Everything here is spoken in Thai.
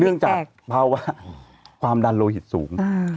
เนื่องจากเพราะว่าความดันโลหิตสูง